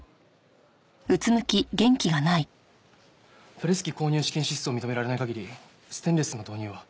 プレス機購入資金支出を認められない限りステンレスの導入は。